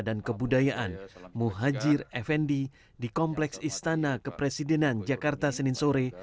dan kebudayaan muhajir efendi di kompleks istana kepresidenan jakarta senin sore